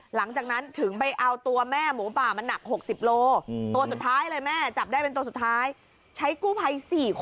หลังจากนั้นถึงไปเอาตัวแม่หมูป่ามันหนัก๖๐โลตัวสุดท้ายเลยแม่จับได้เป็นตัวสุดท้ายใช้กู้ภัย๔คน